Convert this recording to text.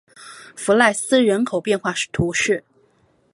弗赖斯人口变化图示